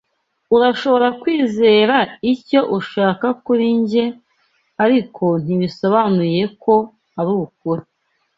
Urashobora kwizera icyo ushaka kuri njye, ariko ntibisobanuye ko arukuri.